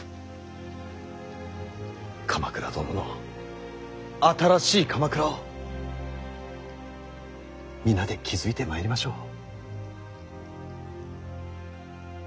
鎌倉殿の新しい鎌倉を皆で築いてまいりましょう。